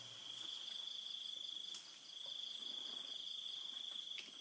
ติดต่อไปแล้ว